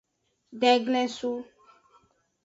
Denglesu.